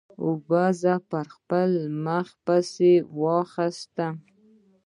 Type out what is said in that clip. اوبو زه پر خپله مخه پسې واخیستم.